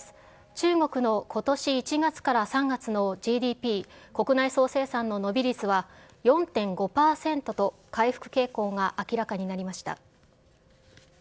中国のことし１月から３月のＧＤＰ・国内総生産の伸び率は、４．５％と回復傾向が明らかになりました。